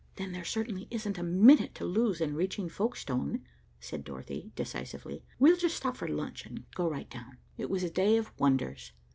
"Then there certainly isn't a minute to lose in reaching Folkestone," said Dorothy decisively. "We'll just stop for lunch and go right down." It was a day of wonders.